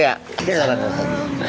iya gak ada apa apa